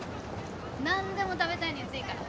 何でも食べたいの言っていいから。